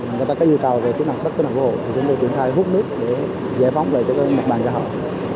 người ta có yêu cầu về cứu nạn cứu hộ hỗ trợ chúng tôi chuyển khai hút nước để giải phóng lại cho các bệnh viện